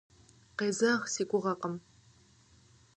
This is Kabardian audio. Къезэгъ си гугъэкъым.